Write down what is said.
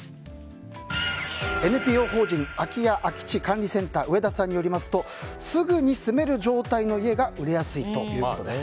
ＮＰＯ法人空家・空地管理センター上田さんによりますとすぐに住める状態の家が売れやすいということです。